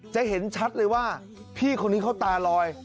จะเห็นชัดเลยว่าพี่คนนี้เขาตาลอย